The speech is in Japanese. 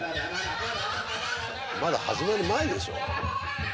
まだ始まる前でしょ？